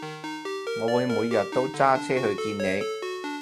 我會每日都揸車去見你